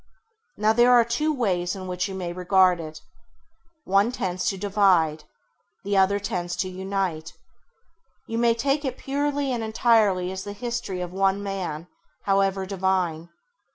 Now there are two ways in which you may regard it. One tends to divide, the other tends to unite. You may take it purely and entirely as the history of one Man, however divine.